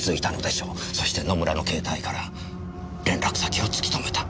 そして野村の携帯から連絡先を突き止めた。